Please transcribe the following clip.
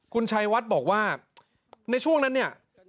คุณชัยวัดบอกว่าในช่วงนั้นเนี่ย